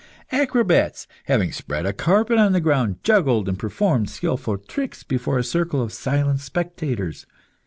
Acrobats, having spread a carpet on the ground, juggled and performed skilful tricks before a circle of silent spectators.